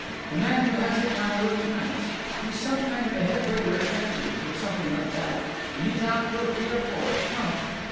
The man who has it now works nights—he's some kind of a head waiter at Rector's, or something like that, and he's out till three or four. Come."